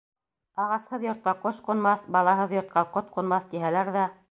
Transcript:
Ағасһыҙ йортҡа ҡош ҡунмаҫ, балаһыҙ йортҡа ҡот ҡунмаҫ, тиһәләр ҙә...